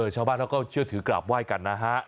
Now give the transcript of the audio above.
ชาวบ้านเขาก็เชื่อถือกราบไหว้กันนะฮะ